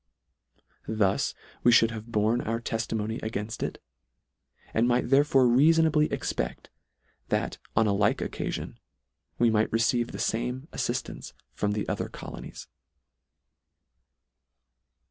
Thus we mould have borne our teftimony againft it; and might therefore reafonably expect that on a like occafion, we might receive the fame affift ance from the other colonies.